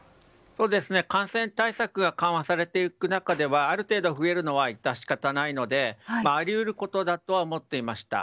感染対策が緩和されていく中ではある程度増えるのは致し方ないのであり得ることだとは思っていました。